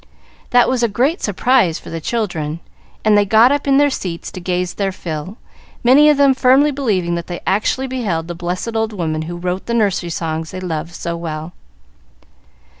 That was a great surprise for the children, and they got up in their seats to gaze their fill, many of them firmly believing that they actually beheld the blessed old woman who wrote the nursery songs they loved so well.